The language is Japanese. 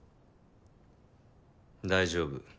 大丈夫。